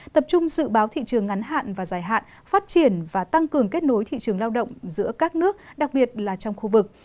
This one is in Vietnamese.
tập trung dự báo thị trường ngắn hạn và dài hạn phát triển và tăng cường kết nối thị trường lao động giữa các nước đặc biệt là trong khu vực